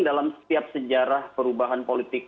dalam setiap sejarah perubahan politik